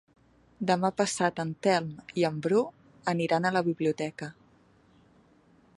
Demà passat en Telm i en Bru aniran a la biblioteca.